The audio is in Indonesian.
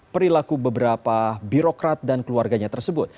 perilaku beberapa birokrat dan keluarganya tersebut